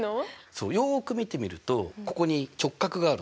そうよく見てみるとここに直角があるんだよね。